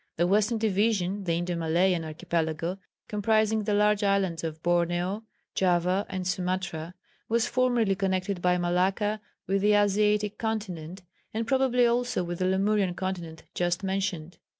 The western division, the Indo Malayan Archipelago, comprising the large islands of Borneo, Java and Sumatra, was formerly connected by Malacca with the Asiatic continent, and probably also with the Lemurian continent just mentioned.